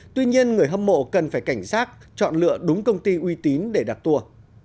tuy nhiên người hâm mộ cần phải cảnh sát chọn lựa đúng công ty uy tín để đặt tour